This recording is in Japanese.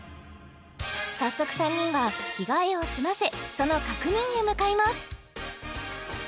早速３人は着替えを済ませその確認へ向かいます